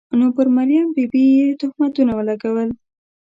نو پر مریم بي بي یې تهمتونه ولګول.